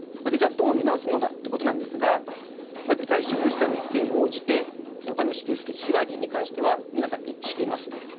どう見直すのかということですが在職した日数に応じてお金を支給する日割りに関しては皆さん一致しています。